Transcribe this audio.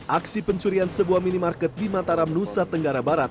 aksi pencurian sebuah minimarket di mataram nusa tenggara barat